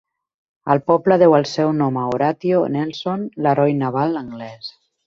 El poble deu el seu nom a Horatio Nelson, l'heroi naval anglès.